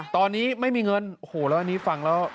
ตอนนี้ไม่มีเงินโอ้โหแล้วอันนี้ฟังแล้ว